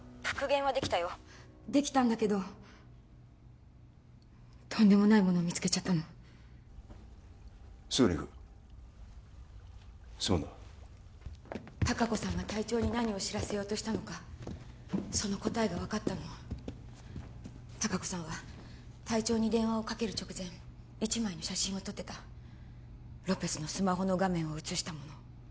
復元はできたよできたんだけどとんでもないものを見つけちゃったのすぐに行くすまんな隆子さんが隊長に何を知らせようとしたのかその答えが分かったの隆子さんは隊長に電話をかける直前一枚の写真を撮ってたロペスのスマホの画面を写したもの